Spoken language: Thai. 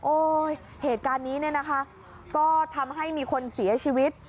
โอ้ยเหตุการณ์นี้นะคะก็ทำให้มีคนเสียชีวิต